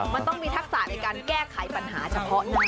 มันต้องมีทักษะในการแก้ไขปัญหาเฉพาะหน้า